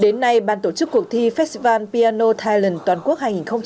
đến nay ban tổ chức cuộc thi festival piano thailand toàn quốc hai nghìn hai mươi bốn